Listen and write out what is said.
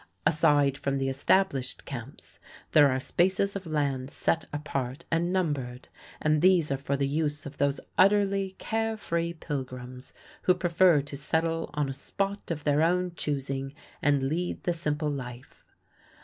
Aside from the established camps there are spaces of land set apart and numbered, and these are for the use of those utterly care free pilgrims who prefer to settle on a spot of their own choosing and lead the simple life.